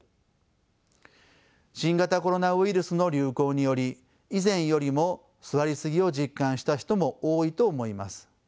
新型コロナウイルスの流行により以前よりも座りすぎを実感した人も多いと思います。